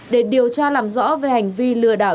để điều tra làm rõ về hành vi lừa đảo